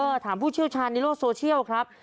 ถามผู้เชี่ยวชาญในโลกโซเชียลครับ